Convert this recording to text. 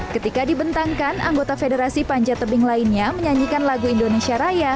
ketika dibentangkan anggota federasi panjat tebing lainnya menyanyikan lagu indonesia raya